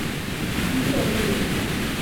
Sí, se ríe.